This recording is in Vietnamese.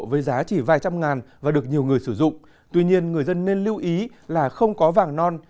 với giá chỉ vài trăm ngàn và được nhiều người sử dụng tuy nhiên người dân nên lưu ý là không có vàng non